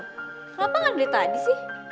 kenapa gak dari tadi sih